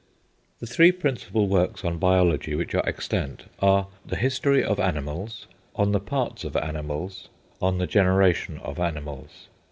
The three principal works on biology which are extant are: "The History of Animals;" "On the Parts of Animals;" "On the Generation of Animals."